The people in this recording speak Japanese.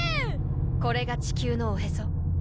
これが地球のおへそ。